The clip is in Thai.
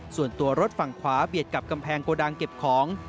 ส่วนตัวรถฝั่งขวาเบียดกับกำแพงโกดังเก็บของ